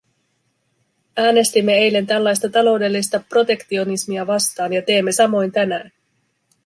Äänestimme eilen tällaista taloudellista protektionismia vastaan, ja teemme samoin tänään.